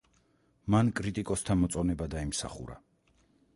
მან კრიტიკოსთა მოწონება დაიმსახურა.